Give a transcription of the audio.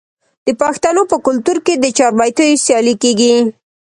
د پښتنو په کلتور کې د چاربیتیو سیالي کیږي.